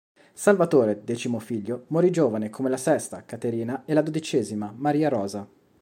Salvatore, decimo figlio, morì giovane, come la sesta, Caterina e la dodicesima, Maria Rosa.